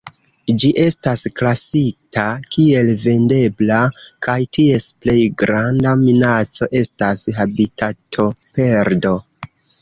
Ĝi estas klasita kiel Vundebla, kaj ties plej granda minaco estas habitatoperdo.